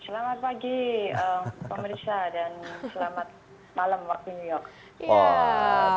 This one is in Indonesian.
selamat pagi pemirsa dan selamat malam waktu new york